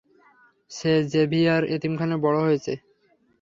সে Xavier এতিমখানায় বড় হয়েছে।